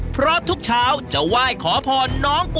เขาจะเติมให้เราก็ขอร้อนไง